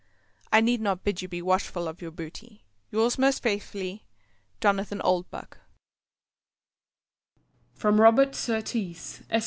I need not bid you be watchful of your booty.—Yours most faithfully, JONATHAN OLDBUCK. From Robert Surtees, _Esq.